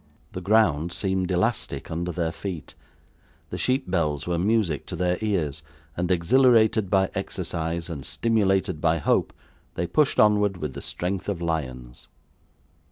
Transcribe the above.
The ground seemed elastic under their feet; the sheep bells were music to their ears; and exhilarated by exercise, and stimulated by hope, they pushed onward with the strength of lions.